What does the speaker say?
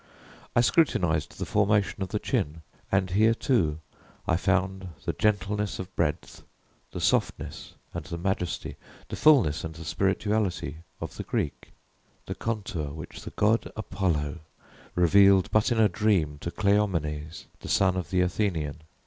I scrutinized the formation of the chin and, here, too, I found the gentleness of breadth, the softness and the majesty, the fullness and the spirituality, of the Greek the contour which the god Apollo revealed but in a dream, to Cleomenes, the son of the Athenian.